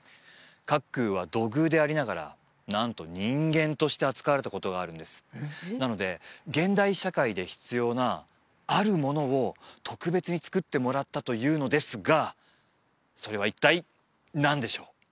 茅空は土偶でありながら何と人間として扱われたことがあるんですなので現代社会で必要なあるものを特別に作ってもらったというのですがそれは一体何でしょう？